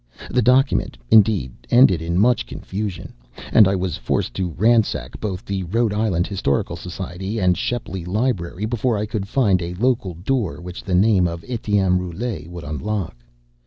The document, indeed, ended in much confusion; and I was forced to ransack both the Rhode Island Historical Society and Shepley Library before I could find a local door which the name of Etienne Roulet would unlock.